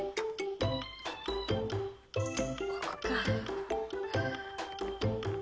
ここかぁ。